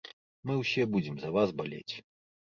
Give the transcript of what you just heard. Мы ўсе будзем за вас балець.